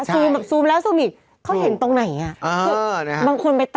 เขาเห็นตรงไหนอะ